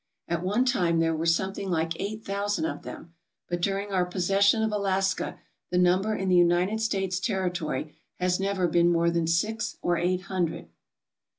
At one time there were something like eight thousand of them, but during our possession of Alaska the number in the United States territory has never been more than six or eight hundred.